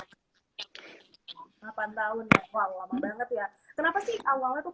wah lama banget ya